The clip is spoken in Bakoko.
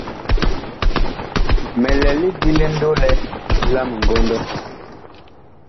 Mi lɛ lidi ndolɛ la mingɔndɔ.